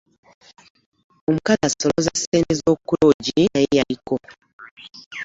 Omukazi asolooza ssente z'oku loogi naye yaliko.